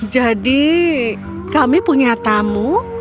jadi kami punya tamu